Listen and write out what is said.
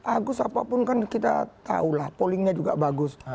agus apapun kan kita tahulah pollingnya juga bagus